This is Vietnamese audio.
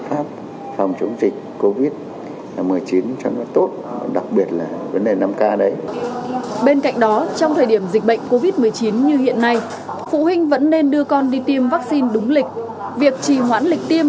đặc biệt là vấn đề năm k bên cạnh đó trong thời điểm dịch bệnh covid một mươi chín như hiện nay phụ huynh vẫn nên đưa con đi tiêm vaccine đúng lịch việc chỉ hoãn lịch tiêm